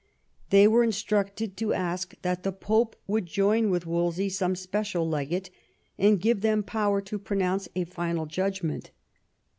They were instructed to ask that the Pope would join with Wolsey some special legate, and give them power to pronounce a final judgment.